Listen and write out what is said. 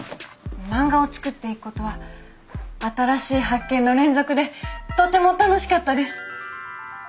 漫画を作っていくことは新しい発見の連続でとても楽しかったです。